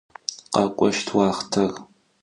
Khek'oşt vuaxhter.